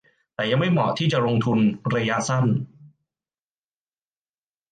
แต่ยังไม่เหมาะที่จะลงทุนระยะสั้น